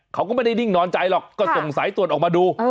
เขาก็ไม่ได้นิ่งนอนใจหรอกก็ส่งสายตรวจออกมาดู